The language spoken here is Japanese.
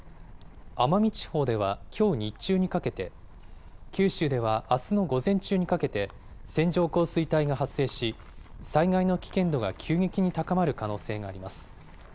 奄美地方ではきょう日中にかけて、九州ではあすの午前中にかけて、線状降水帯が発生し、災害の危険度が急激に高まる可能性があります。